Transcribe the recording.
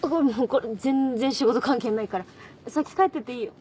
これ全然仕事関係ないから先帰ってていいよ。